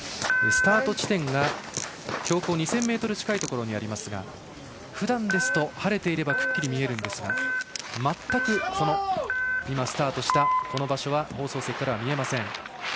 スタート地点が標高２０００ｍ近いところですがふだんですと、晴れていればくっきり見えるんですが全く今スタートした場所は放送席から見えません。